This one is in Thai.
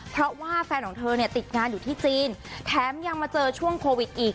เพราะว่าแฟนของเธอเนี่ยติดงานอยู่ที่จีนแถมยังมาเจอช่วงโควิดอีก